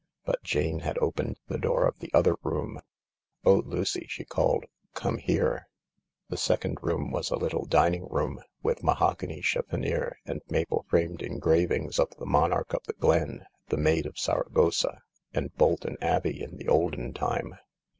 But Jane had opened the door of the other room. " Oh, Lucy !" she called. " Come here I " The second room was a little diniijg room, with mahogany cheffonier and maple framed engravings of the Monarch of the Glen, the Maid of Saragossa, and Bolton Abbey in the olden time.